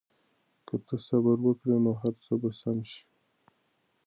که ته صبر وکړې نو هر څه به سم شي.